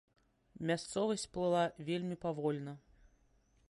Мясцовасць плыла вельмі павольна.